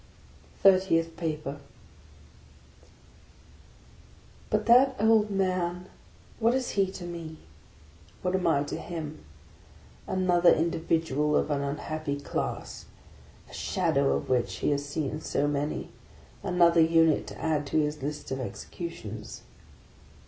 THIRTIETH PAPER BUT that old man, what is he to me? What am I to him? Another individual of an unhappy class, a shadow of which he has seen so many; another unit to add to his list of executions.